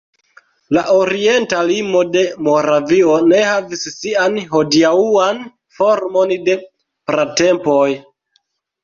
La orienta limo de Moravio ne havis sian hodiaŭan formon de pratempoj.